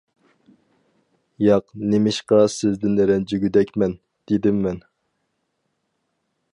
— ياق، نېمىشقا سىزدىن رەنجىگۈدەكمەن، — دېدىم مەن.